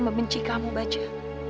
bebenci kamu baja